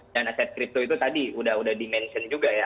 dan aset kripto itu tadi sudah dimention juga ya